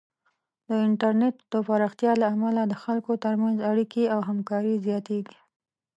د انټرنیټ د پراختیا له امله د خلکو ترمنځ اړیکې او همکاري زیاتېږي.